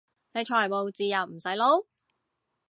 你財務自由唔使撈？